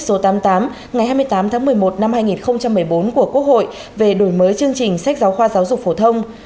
số tám mươi tám ngày hai mươi tám tháng một mươi một năm hai nghìn một mươi bốn của quốc hội về đổi mới chương trình sách giáo khoa giáo dục phổ thông